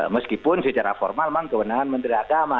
meskipun secara formal memang kewenangan menteri agama